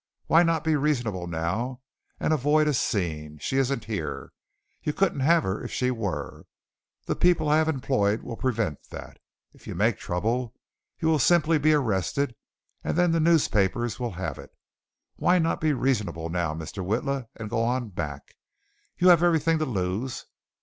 Why not be reasonable, now, and avoid a scene? She isn't here. You couldn't have her if she were. The people I have employed will prevent that. If you make trouble, you will simply be arrested and then the newspapers will have it. Why not be reasonable now, Mr. Witla, and go on back? You have everything to lose.